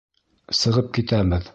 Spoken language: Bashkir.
Сығып китәбеҙ!